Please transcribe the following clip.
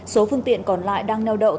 số phương tiện còn lại đang neo động